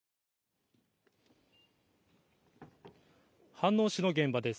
飯能市の現場です。